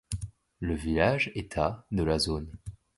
Le village est à de la zone.